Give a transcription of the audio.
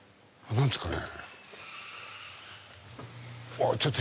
何ですかね？